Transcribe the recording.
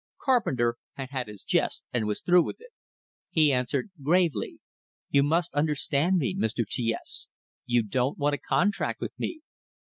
Carpenter had had his jest, and was through with it. He answered, gravely: "You must understand me, Mr. T S. You don't want a contract with me."